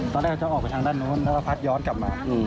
ตอนแรกจะออกไปทางด้านนู้นแล้วก็พัดย้อนกลับมา